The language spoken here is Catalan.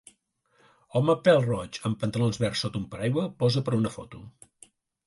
Home pèl-roig amb pantalons verds sota un paraigua posa per una foto.